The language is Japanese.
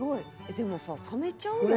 「でもさ冷めちゃうやん」